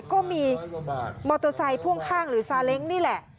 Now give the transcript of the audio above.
ก็มีมอเตอร์ไซค์พ่วงข้างหรือซาเล้งนี่แหละ